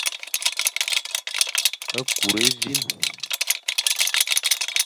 Kur évîn.